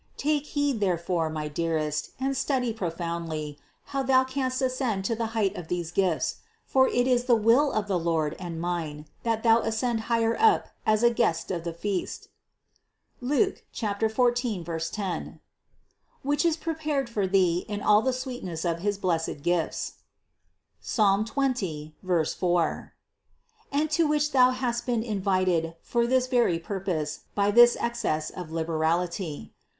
613. Take heed therefore, my dearest, and study pro foundly how thou canst ascend to the height of these gifts ; for it is the will of the Lord and mine, that thou ascend higher up as a guest in the feast (Luc. 14, 10) which is prepared for thee in all the sweetness of his blessed gifts (Ps. 20, 4) and to which thou hast been in vited for this very purpose by this excess of liberality.